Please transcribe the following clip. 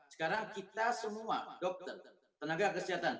sekarang kita semua dokter tenaga kesehatan